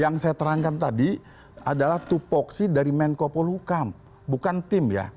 yang saya terangkan tadi adalah tupoksi dari menko polukam bukan tim ya